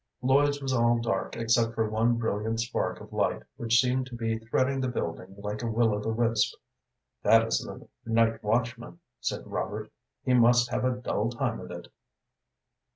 Lloyd's was all dark except for one brilliant spark of light, which seemed to be threading the building like a will o' the wisp. "That is the night watchman," said Robert. "He must have a dull time of it."